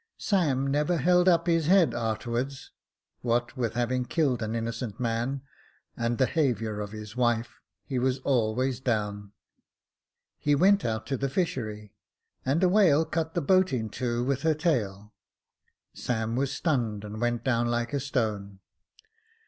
Sam never held up his head a'terwards ; what with having killed an innocent man, and the 'haviour of his wife, he was always down. He went out to the fishery, and a whale cut the boat in two with her tail ; Sam was stunned, and went down like a stone.